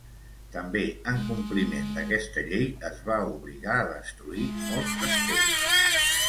També en compliment d'aquesta llei es va obligar a destruir molts castells.